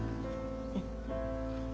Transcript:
うん。